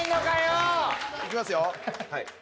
はい。